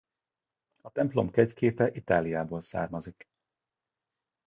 A templom kegyképe Itáliából származik.